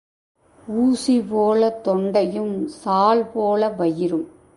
ஊசி போலத் தொண்டையும் சால் போல வயிறும்.